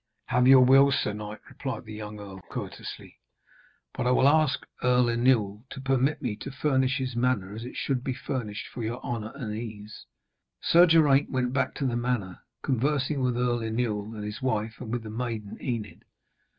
'Have your will, sir knight,' replied the young earl courteously. 'But I will ask Earl Inewl to permit me to furnish his manor as it should be furnished for your honour and ease.' Sir Geraint went back to the manor, conversing with Earl Inewl and his wife, and with the maiden Enid.